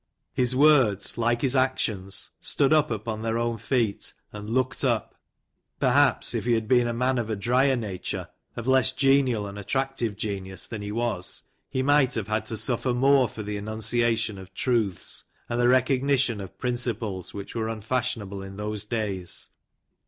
His words, like his actions, stood upon their own feet, and looked up. Perhaps, if he had been a man of a drier nature, — of less genial and attractive genius than he was, — he might have had to suffer more for the enunciation of truths, and the recognition of principles which were unfashionable in those days.